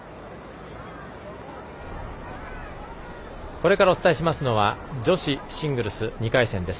これからお伝えしますのは女子シングルス２回戦です。